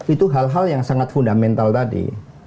itu hal hal yang sangat fundamental tadi